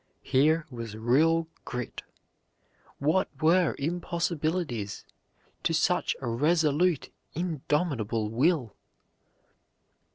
Here was real grit. What were impossibilities to such a resolute, indomitable will?